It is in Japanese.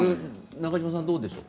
中島さん、どうでしょう。